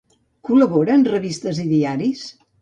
Col·labora en revistes i diaris?